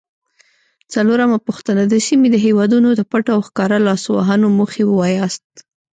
څلورمه پوښتنه: د سیمې د هیوادونو د پټو او ښکاره لاسوهنو موخې ووایاست؟